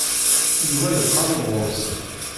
Yuba iqerreb ɣer-sen.